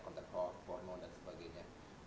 konten formal dan sebagainya